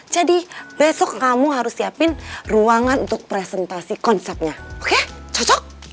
jadi besok kamu harus siapin ruangan untuk presentasi konsepnya oke cocok